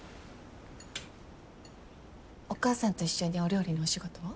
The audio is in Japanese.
お母さんと一緒にお料理のお仕事を？